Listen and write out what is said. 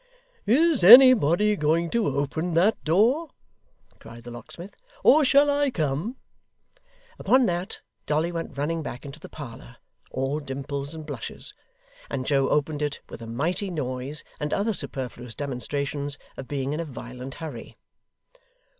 'Is anybody going to open that door?' cried the locksmith. 'Or shall I come?' Upon that, Dolly went running back into the parlour, all dimples and blushes; and Joe opened it with a mighty noise, and other superfluous demonstrations of being in a violent hurry.